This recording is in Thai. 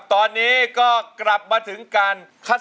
กินข้าวหรือยังค่ะ